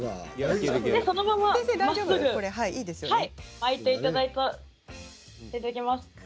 そのまま巻いていただきます。